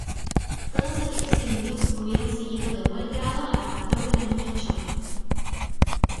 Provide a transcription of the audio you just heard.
todos aquellos indios hubieran seguido de buen grado al raptor de la Niña Chole.